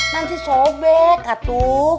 nanti sobek katuk